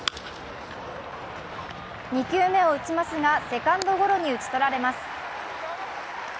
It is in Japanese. ２球目を打ちますが、セカンドゴロに打ち取られます。